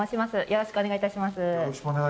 よろしくお願いします